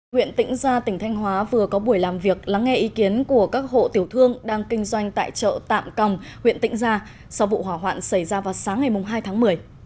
huyện tĩnh gia tỉnh thanh hóa vừa có buổi làm việc lắng nghe ý kiến của các hộ tiểu thương đang kinh doanh tại chợ tạm còng huyện tĩnh gia sau vụ hỏa hoạn xảy ra vào sáng ngày hai tháng một mươi